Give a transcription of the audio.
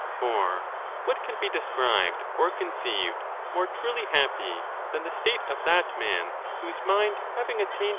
XXIII. For what can be described or conceived more truly happy than the state of that man, whose mind having attained.